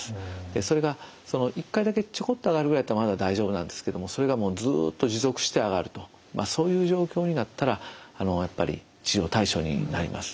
それが１回だけちょこっと上がるぐらいだったらまだ大丈夫なんですけどもそれがずっと持続して上がるとそういう状況になったらやっぱり治療対象になります。